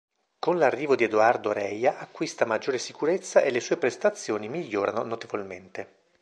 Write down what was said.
Con l'arrivo di Edoardo Reja acquista maggior sicurezza e le sue prestazioni migliorano notevolmente.